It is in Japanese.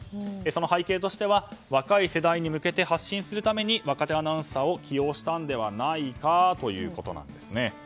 その背景としては若い世代に向けて発信するために若手アナウンサーを起用したのではないかということです。